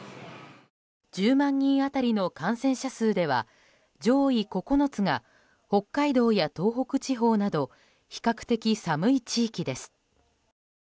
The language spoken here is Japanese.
１０万人当たりの感染者数では上位９つが北海道や東北地方など比較的寒い地域です。